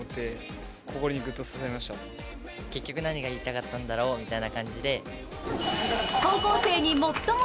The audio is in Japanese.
結局何が言いたかったんだろうみたいな感じで。